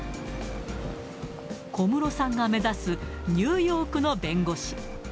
小室さんが目指すニューヨークの弁護士。